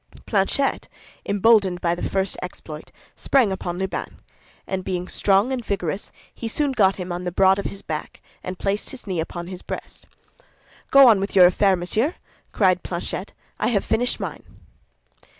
Planchet, emboldened by the first exploit, sprang upon Lubin; and being strong and vigorous, he soon got him on the broad of his back, and placed his knee upon his breast. "Go on with your affair, monsieur," cried Planchet; "I have finished mine."